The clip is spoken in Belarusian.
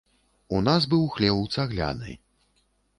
У нас быў хлеў цагляны.